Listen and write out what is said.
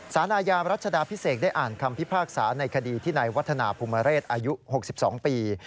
สารอาญารัชดาพิเศษได้อ่านคำพิพากษาในคดีที่นายวัฒนาภูมิเรศอายุ๖๒ปี